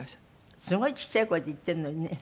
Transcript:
すごいちっちゃい声で言ってるのにね。